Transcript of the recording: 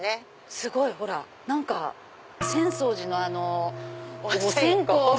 すごいほら何か浅草寺のお線香の。